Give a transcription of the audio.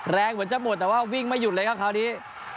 เหมือนจะหมดแต่ว่าวิ่งไม่หยุดเลยครับคราวนี้